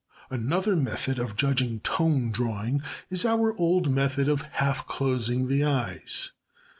Another method of judging tone drawing is our old method of half closing the eyes.